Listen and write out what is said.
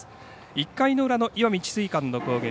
１回の裏の石見智翠館の攻撃。